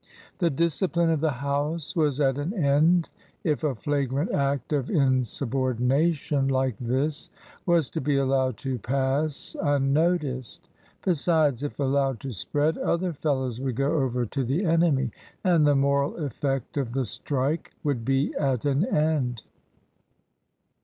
The discipline of the house was at an end if a flagrant act of insubordination like this was to be allowed to pass unnoticed. Besides, if allowed to spread, other fellows would go over to the enemy, and the "moral" effect of the strike would be at an end.